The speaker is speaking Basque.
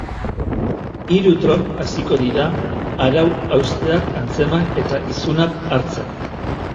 Hiru drone hasiko dira arau-hausteak antzeman eta isunak hartzen.